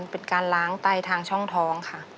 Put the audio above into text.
เป็นการล้างไตทางช่องท้องค่ะ